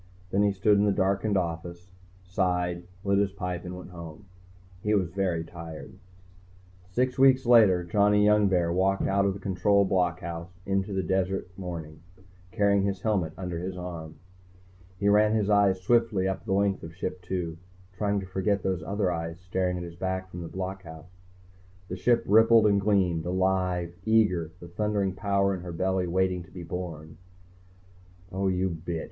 Then he stood in the darkened office, sighed, lit his pipe and went home. He was very tired. Six weeks later, Johnny Youngbear walked out of the Control blockhouse into the cold desert morning, carrying his helmet under his arm. He ran his eyes swiftly up the length of Ship II, trying to forget those other eyes staring at his back from the blockhouse. The Ship rippled and gleamed, alive, eager, the thundering power in her belly waiting to be born. _Oh, you bitch!